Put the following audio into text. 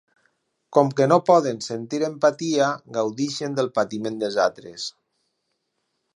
Com que no poden sentir empatia, gaudeixen del patiment dels altres.